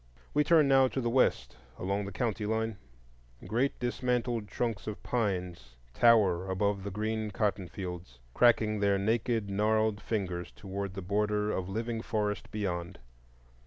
We turn now to the west along the county line. Great dismantled trunks of pines tower above the green cottonfields, cracking their naked gnarled fingers toward the border of living forest beyond.